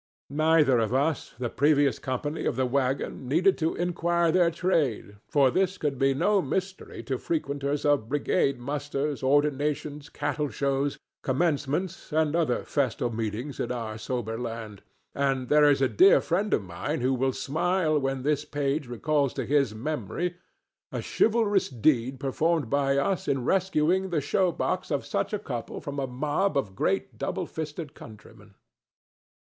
Neither of us the previous company of the wagon needed to inquire their trade, for this could be no mystery to frequenters of brigade musters, ordinations, cattle shows, commencements, and other festal meetings in our sober land; and there is a dear friend of mine who will smile when this page recalls to his memory a chivalrous deed performed by us in rescuing the show box of such a couple from a mob of great double fisted countrymen.